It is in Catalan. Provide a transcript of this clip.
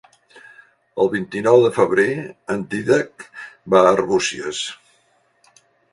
El vint-i-nou de febrer en Dídac va a Arbúcies.